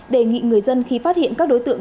đề nghị người dân khi phát hiện các đối tượng